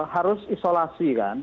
harus isolasi kan